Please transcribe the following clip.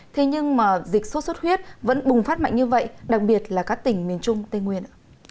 thế nhưng mà dịch sốt xuất huyết vẫn bùng phát mạnh như vậy đặc biệt là các tỉnh miền trung tây nguyên